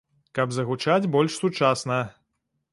Каб загучаць больш сучасна.